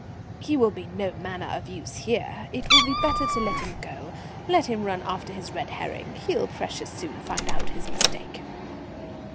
"He will be no manner of use here, it will be better to let him go; let him run after his red herring, he'll precious soon find out his mistake."